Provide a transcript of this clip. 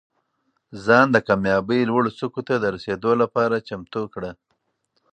ځان د کامیابۍ لوړو څوکو ته د رسېدو لپاره چمتو کړه.